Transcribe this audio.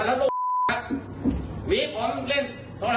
มันจะถูกตีนะลูก